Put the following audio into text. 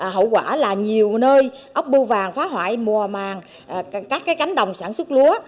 hậu quả là nhiều nơi ốc bưu vàng phá hoại mùa màng các cánh đồng sản xuất lúa